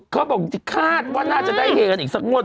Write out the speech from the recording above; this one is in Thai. เขาบอกคาดว่าน่าจะได้เฮกันอีกสักงวด